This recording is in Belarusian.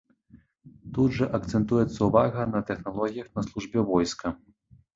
Тут жа акцэнтуецца ўвага на тэхналогіях на службе войска.